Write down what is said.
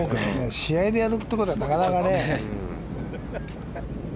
試合でやるとなるとなかなかね。